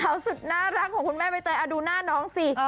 สุดน่ารักของคุณแม่ใบเตยดูหน้าน้องสิ